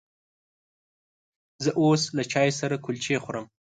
زه اوس له چای سره کلچې خورمه.